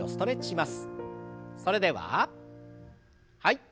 それでははい。